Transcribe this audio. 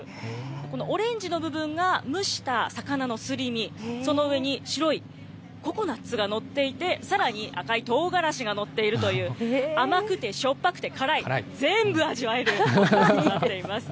このオレンジの部分が蒸した魚のすり身、その上に白いココナッツが載っていて、さらに赤いとうがらしが載っているという、甘くて、しょっぱくて、辛い、全部味わえるものになっています。